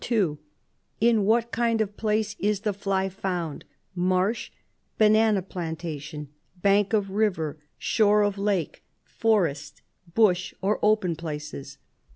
(2) In what kind of place is the fly found : marsh , banana plantation, bank of river, shore of lake, forest, bush, or open places?